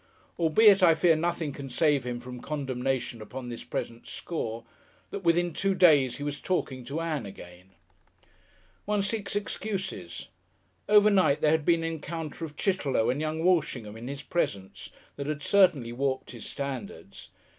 Albeit I fear nothing can save him from condemnation upon this present score, that within two days he was talking to Ann again. One seeks excuses. Overnight there had been an encounter of Chitterlow and young Walshingham in his presence, that had certainly warped his standards.